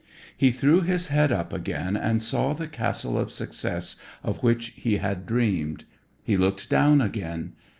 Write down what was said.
He threw his head up again and saw the castle of success of which he had dreamed. He looked down again.